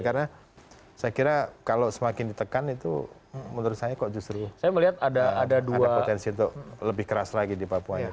karena saya kira kalau semakin ditekan itu menurut saya kok justru ada potensi untuk lebih keras lagi di papua